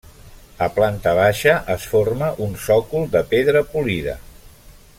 A planta baixa es forma un sòcol de pedra polida.